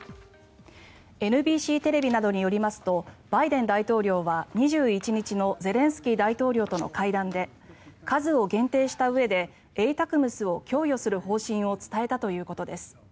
ＮＢＣテレビなどによりますとバイデン大統領は、２１日のゼレンスキー大統領との会談で数を限定したうえでＡＴＡＣＭＳを供与する方針を伝えたということです。